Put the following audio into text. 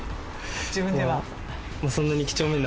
自分では。